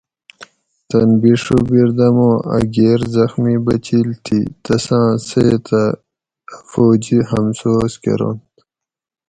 تن بیڛو بیردموں اَ گیر زخمی بچیل تھی تساۤں سیٔتہ اَ فوجی ھمسوس کۤرنت